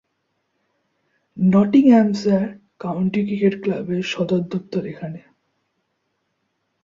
Nottinghamshire county cricket ক্লাবের সদর দফতর এখানে।